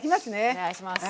お願いします。